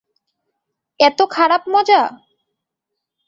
এতো খারাপ মজা।